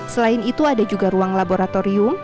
selain itu ada juga ruang laboratorium